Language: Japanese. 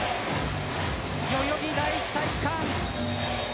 代々木第一体育館。